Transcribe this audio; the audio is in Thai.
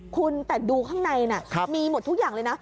คุณแต่ดูข้างในน่ะมีหมดทุกอย่างเลยนะ